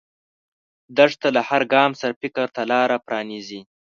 دښته له هر ګام سره فکر ته لاره پرانیزي.